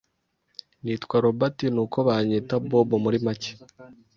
Nitwa Robert, nuko banyita Bob muri make.